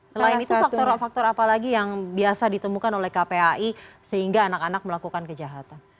selain itu faktor faktor apa lagi yang biasa ditemukan oleh kpai sehingga anak anak melakukan kejahatan